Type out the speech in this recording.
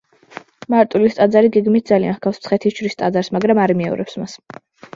მარტვილის ტაძარი გეგმით ძალიან ჰგავს მცხეთის ჯვრის ტაძარს, მაგრამ არ იმეორებს მას.